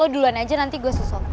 lo duluan aja nanti gue susul